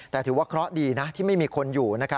แต่ถือว่าเคราะห์ดีนะที่ไม่มีคนอยู่